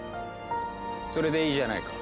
それでいいじゃないか。